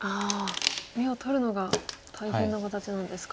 眼を取るのが大変な形なんですか。